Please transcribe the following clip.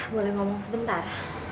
boleh ngomong sebentar